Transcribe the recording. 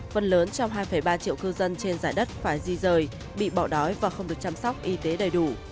phần lớn trong hai ba triệu cư dân trên giải đất phải di rời bị bỏ đói và không được chăm sóc y tế đầy đủ